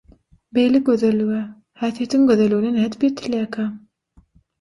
Beýle gözellige – häsiýetiň gözelligine nädip ýetilýärkä?